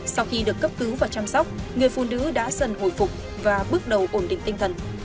sau khi được cấp cứu và chăm sóc người phụ nữ đã dần hồi phục và bước đầu ổn định tinh thần